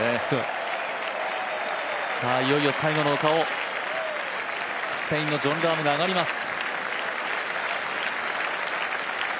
いよいよ最後の丘をスペインのジョン・ラームが上がります。